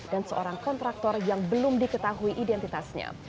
dan seorang kontraktor yang belum diketahui identitasnya